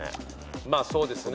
まあそうですね。